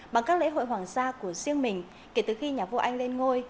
bằng các lễ hội hoàng gia của riêng mình kể từ khi nhà vua anh lên ngôi